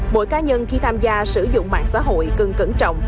mỗi cá nhân khi tham gia sử dụng mạng xã hội cần cẩn trọng